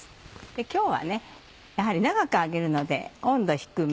今日はやはり長く揚げるので温度低め。